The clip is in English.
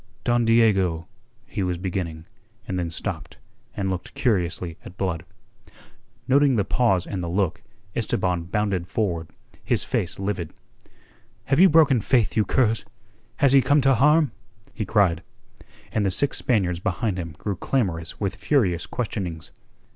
"Don Diego..." he was beginning, and then stopped, and looked curiously at Blood. Noting the pause and the look, Esteban bounded forward, his face livid. "Have you broken faith, you curs? Has he come to harm?" he cried and the six Spaniards behind him grew clamorous with furious questionings.